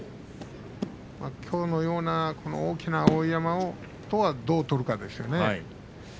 きょうのような大きな碧山とはどう取るかですね。